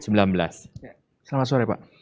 selamat sore pak